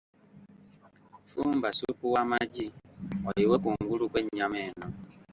Fumba ssupu w'amagi, oyiwe ku ngulu kw'ennyama eno.